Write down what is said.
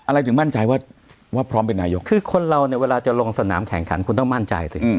ถึงมั่นใจว่าพร้อมเป็นนายกคือคนเราเนี่ยเวลาจะลงสนามแข่งขันคุณต้องมั่นใจสิ